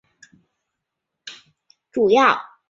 主要路线为行驶在台北市与新竹市间的国道客运。